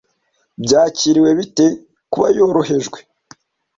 byakiriwe bite kuba yorohejwe